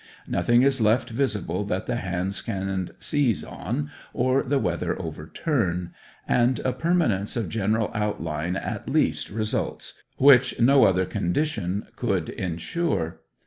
Nothing is left visible that the hands can seize on or the weather overturn, and a permanence of general outline at least results, which no other condition could ensure.